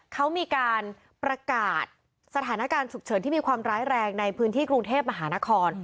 เขามีการประกาศสถานการณ์ฉุกเฉินที่มีความร้ายแรงในพื้นที่กรุงเทพมหานคร